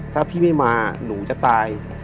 ถ้าพี่ไม่มาหนูจะตาย